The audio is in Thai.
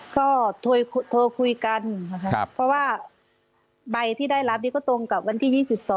ก็โทรคุยกันนะครับเพราะว่าใบที่ได้รับนี่ก็ตรงกับวันที่๒๒